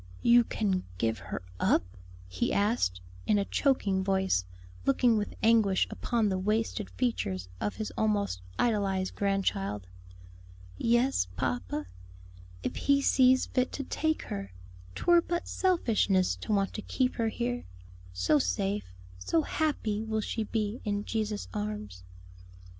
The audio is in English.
"You can give her up?" he asked, in a choking voice, looking with anguish upon the wasted features of his almost idolized grandchild. "Yes, papa if He sees fit to take her; 'twere but selfishness to want to keep her here. So safe, so happy will she be in Jesus' arms." Mr.